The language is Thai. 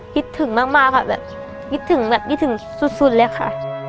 คิดถึงมากค่ะแบบคิดถึงแบบคิดถึงสุดเลยค่ะ